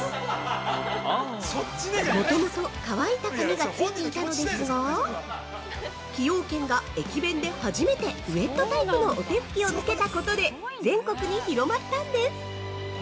◆もともと、乾いた紙が付いていたのですが、崎陽軒が駅弁で初めてウェットタイプのお手ふきを付けたことで全国に広まったんです。